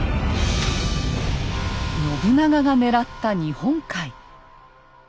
信長が狙った日本海。